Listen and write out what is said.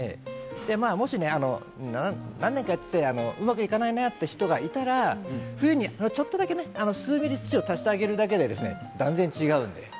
あともし何年かやってうまくいかないなという人がいたら冬にちょっとだけ数ｍｍ数に土を足してあげるだけで断然違います。